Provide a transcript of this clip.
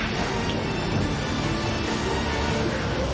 ครับ